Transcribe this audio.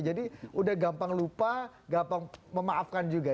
jadi udah gampang lupa gampang memaafkan juga